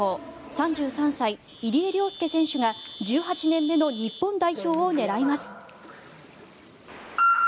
３３歳、入江陵介選手が１８年目の日本代表を狙います。